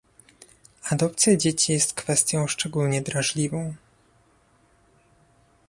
Adopcja dzieci jest kwestią szczególnie drażliwą